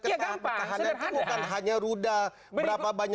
ya gampang sederhana